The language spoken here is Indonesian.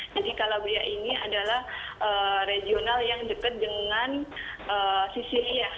jadi calabria ini adalah regional yang dekat dengan sicilia